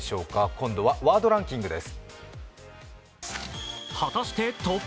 今度はワードランキングです。